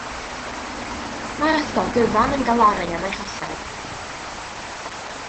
Mae'r ysgol gyfan yn galaru am ei cholled.